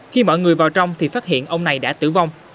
khi mọi người vào trong thì phát hiện ông này đã tử vong